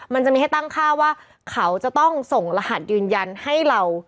มันจะมีให้ตั้งค่าว่าเขาจะต้องส่งรหัสยืนยันให้เรา